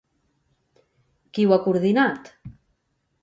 Qui ho ha coordinat?